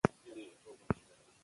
شکارپور یو تجارتي مرکز و.